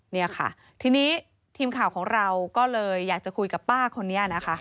นี่ค่ะทีนี้ทีมข่าวของเราก็เลยอยากจะคุยกับป้าคนนี้นะคะ